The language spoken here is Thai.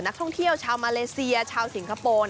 นักท่องเที่ยวชาวมาเลเซียชาวสิงคโปร์